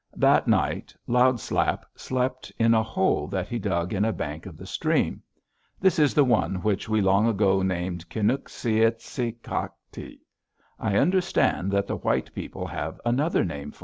"That night Loud Slap slept in a hole that he dug in a bank of the stream. This is the one which we long ago named Ki nuk´ si Is si sak´ ta. I understand that the white people have another name for it.